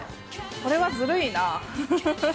これはずるいな。